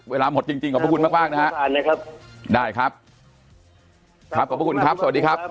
เวลาหมดจริงจริงขอบพระคุณมากมากนะฮะได้ครับครับขอบพระคุณครับสวัสดีครับ